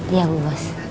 iya bu bos